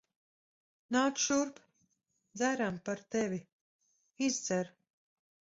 Nāc šurp. Dzeram par tevi. Izdzer.